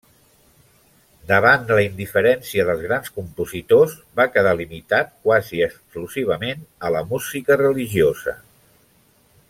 Davant la indiferència dels grans compositors, va quedar limitat quasi exclusivament a la música religiosa.